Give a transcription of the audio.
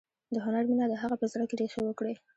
د هنر مینه د هغه په زړه کې ریښې وکړې